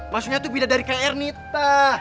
maksudnya tuh beda dari kayak ernita